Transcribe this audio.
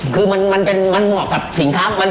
คือมันเป็นมันเหมาะกับสินค้า